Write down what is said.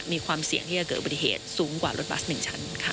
มีความเสี่ยงที่จะเกิดอุบัติเหตุสูงกว่ารถบัส๑ชั้นค่ะ